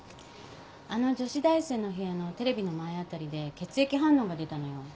あの女子大生の部屋のテレビの前辺りで血液反応が出たのよ。